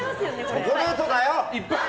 チョコレートだよ！